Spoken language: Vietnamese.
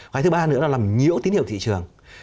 cái thứ ba nữa là làm nhiễu tín hiệu thị trường